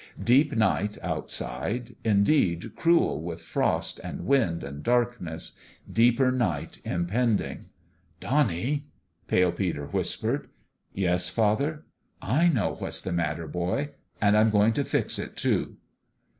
Deep night outside, indeed, cruel with frost and wind and darkness ! Deeper night impending !" Donnie !" Pale Peter whispered. "Yes, father?" FATHER. AND SON 295 " I know what's the matter, boy ; and I'm go ing to fix it, too."